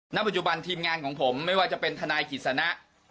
ณปัจจุบันทีมงานของผมไม่ว่าจะเป็นทนายกิจสนะ